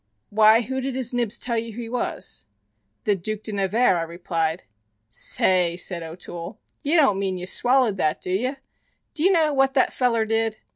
"Why, who did his nibs tell you he was?" "The Duc de Nevers," I replied. "Say," said O'Toole, "you don't mean you swallowed that, do you? Do you know what the feller did?